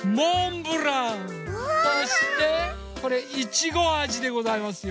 そしてこれいちごあじでございますよ。